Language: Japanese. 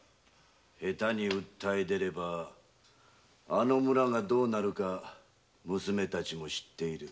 下手に訴え出ればあの村がどうなるか娘たちも知っている。